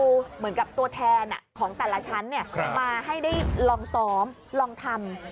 เหมือนกับตัวแทนของแต่ละชั้นมาให้ได้ลองซ้อมลองทำ